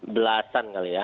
belasan kali ya